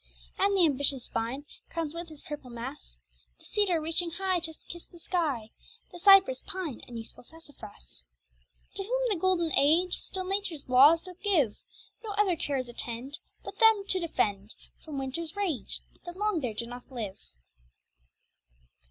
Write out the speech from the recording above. And the ambitious vine Crowns with his purple mass The cedar reaching high To kiss the sky, The cypress, pine, And useful sassafras. To whom the Golden Age Still nature's laws doth give, No other cares attend, But them to defend From winter's rage, That long there doth not live.